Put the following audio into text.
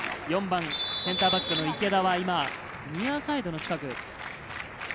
４番、センターバックの池田は今、ニアサイドの近く。